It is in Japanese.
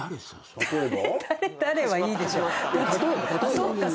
例えば。